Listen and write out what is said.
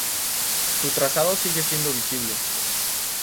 Su trazado sigue siendo visible.